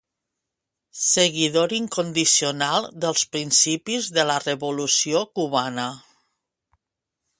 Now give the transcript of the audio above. Seguidor incondicional dels principis de la revolució cubana.